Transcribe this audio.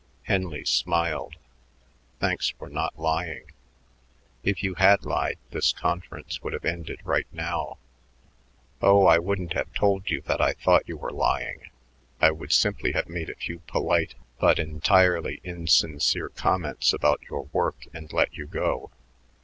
Henley smiled. "Thanks for not lying. If you had lied, this conference would have ended right now. Oh, I wouldn't have told you that I thought you were lying; I would simply have made a few polite but entirely insincere comments about your work and let you go.